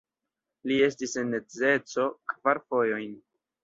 Li estis en edzeco kvar fojojn.